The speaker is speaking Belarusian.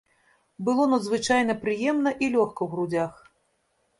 Было надзвычайна прыемна і лёгка ў грудзях.